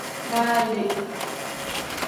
Baa le.